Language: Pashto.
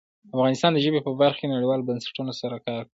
افغانستان د ژبې په برخه کې نړیوالو بنسټونو سره کار کوي.